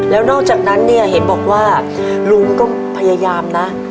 แล้วนอกจากนั้นเนี่ยเห็นบอกว่าลุงก็พยายามนะ